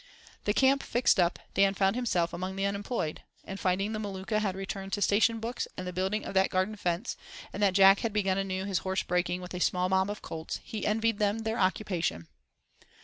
The camp fixed up, Dan found himself among the unemployed, and, finding the Maluka had returned to station books and the building of that garden fence, and that Jack had begun anew his horse breaking with a small mob of colts, he envied them their occupation.